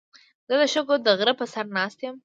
زه د شګو د غره په سر ناست یم.